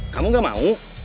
kamu gak mau